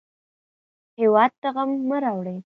هېواد ته غم مه راوړئ